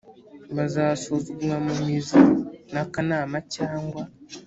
buzasuzumwa mu mizi n akanama cyangwa